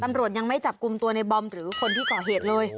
ตำรวจยังไม่จับกลุ่มตัวในบอมหรือคนที่ก่อเหตุเลย